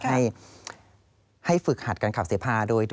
ให้ฝึกหัดการขับเสพา